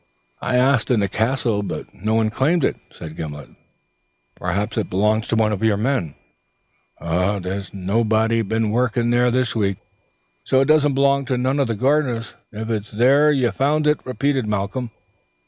"I asked in the castle, but no one claimed it," said Gimblet. "Perhaps it belongs to one of your men?" "There's been naebody been workin' there this week. So it disna belong tae neen o' the gair'ners, if it's there ye fund't," repeated Malcolm.